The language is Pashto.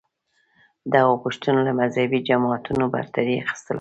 دغو پوښتنو له مذهبې جماعتونو برتري اخیستله